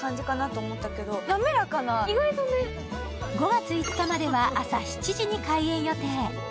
５月５日までは朝７時に開園予定。